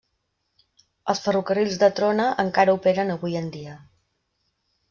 Els ferrocarrils de Trona encara operen avui en dia.